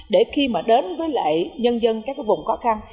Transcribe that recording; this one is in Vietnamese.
để khi mà đến với lại nhân dân các cái vùng khó khăn